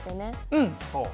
うんそう。